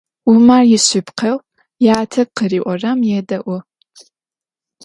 Умар ишъыпкъэу ятэ къыриӏорэм едэӏу.